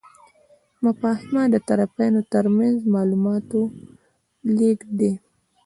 مفاهمه د طرفینو ترمنځ د معلوماتو لیږد دی.